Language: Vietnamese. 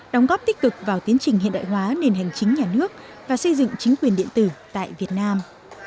đóng góp tích cực vào tiến trình hiện đại hóa nền hành chính nhà nước và xây dựng chính quyền điện tử tại việt nam